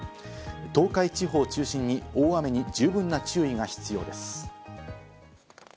東海地方を中心に大雨に十分な注意が必要です。